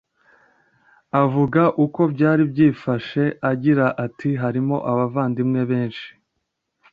avuga uko byari byifashe agira ati harimo abavandimwe benshi